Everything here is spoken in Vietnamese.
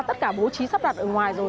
tất cả bố trí sắp đặt ở ngoài rồi